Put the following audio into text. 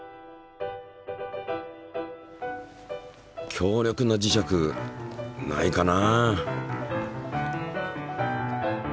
強力な磁石ないかな？